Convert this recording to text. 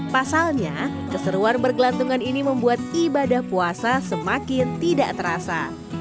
pasalnya keseruan bergelantungan ini membuat ibadah puasa semakin tidak terasa